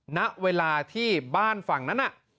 ณเวลาที่บ้านฝั่งนั้นน่ะ